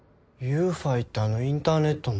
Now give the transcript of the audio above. ＹｏｕＦｉってあのインターネットの？